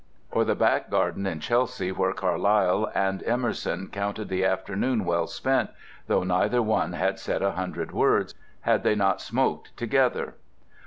Or the back garden in Chelsea where Carlyle and Emerson counted the afternoon well spent, though neither one had said a hundred words—had they not smoked together?